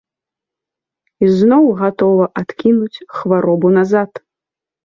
Ізноў гатова адкінуць хваробу назад.